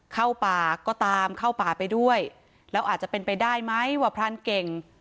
เข้าป่าก็ตามเข้าป่าไปด้วยแล้วอาจจะเป็นไปได้ไหมว่าพรานเก่ง